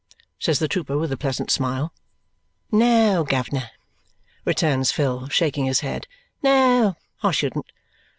says the trooper with a pleasant smile. "No, guv'ner," returns Phil, shaking his head. "No, I shouldn't.